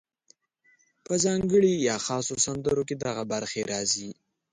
په ځانګړو یا خاصو سندرو کې دغه برخې راځي: